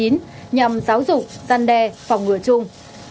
nhằm giáo dục giăn đe phòng ngừa chung